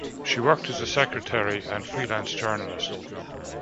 She worked as a secretary and freelance journalist.